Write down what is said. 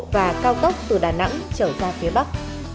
và cao tốc từ đà nẵng trở ra phía bắc